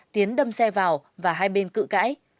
tiến đâm xe vào và hai bên cự cãi